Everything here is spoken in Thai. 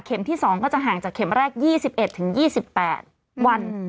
ที่๒ก็จะห่างจากเข็มแรก๒๑๒๘วัน